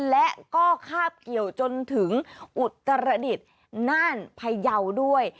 และก็คาบเกี่ยวจนถึงอุตรดิษฐ์น่านพยาวด้วย